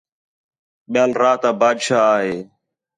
ٻِیال راتا بادشاہ آ ہے